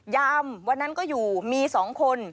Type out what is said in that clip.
ย้ำวันนั้นก็อยู่มีสองคน